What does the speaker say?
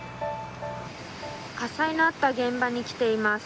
火災のあった現場に来ています。